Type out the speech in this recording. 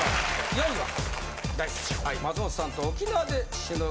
４位は？